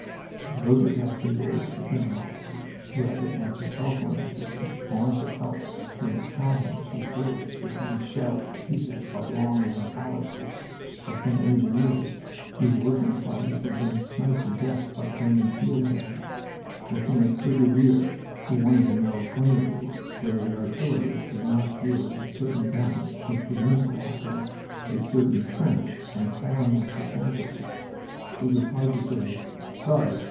Those were ghastly days for gunner officers, who had to answer telephone messages calling for help from battalions whose billets were being shelled to pieces by long range howitzers, or from engineers whose working parties were being sniped to death by German field guns, or from a brigadier who wanted to know, plaintively, whether the artillery could not deal with a certain gun which was enfilading a certain trench and piling up the casualties. It was hard to say: "Sorry!...